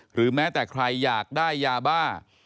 หรือแม้แต่ใครอยากได้ยาบ้า